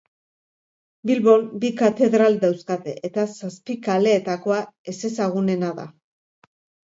Bilbon bi katedral dauzkate eta Zapikaleetakoa ezezagunena da.